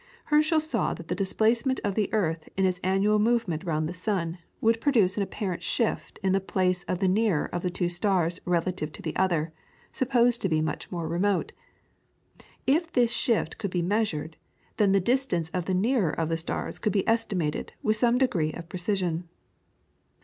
Herschel saw that the displacement of the earth in its annual movement round the sun would produce an apparent shift in the place of the nearer of the two stars relatively to the other, supposed to be much more remote. If this shift could be measured, then the distance of the nearer of the stars could be estimated with some degree of precision.